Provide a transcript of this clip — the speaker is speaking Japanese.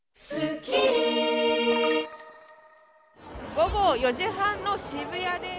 午後４時半の渋谷です。